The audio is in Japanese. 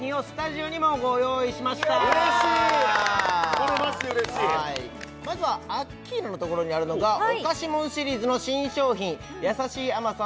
これマジでうれしいはいまずはアッキーナのところにあるのが「おかしもん」シリーズの新商品でございます